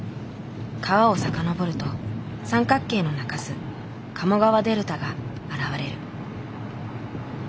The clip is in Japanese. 川を遡ると三角形の中州鴨川デルタが現れる。